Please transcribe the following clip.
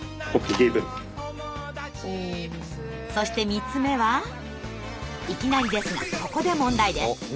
そして３つ目はいきなりですがここで問題です。